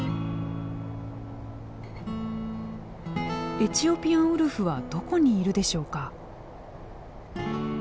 エチオピアンウルフはどこにいるでしょうか？